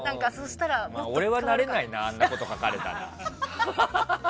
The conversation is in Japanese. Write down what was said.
俺はなれないなあんなこと書かれたら。